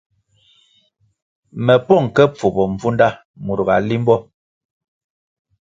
Me pong ke pfubo mbvunda mur ga limbo.